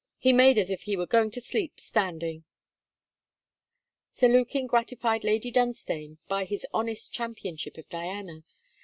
He made as if he were going to sleep standing.' Sir Lukin gratified Lady Dunstane by his honest championship of Diana.